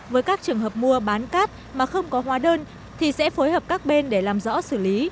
với các trường hợp mua bán cát mà không có hóa đơn thì sẽ phối hợp các bên để làm rõ xử lý